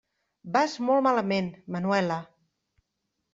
Vas molt malament, Manuela.